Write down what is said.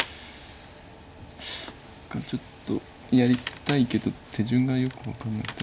何かちょっとやりたいけど手順がよく分かんないんだよな。